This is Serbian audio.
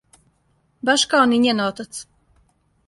Баш као ни њен отац.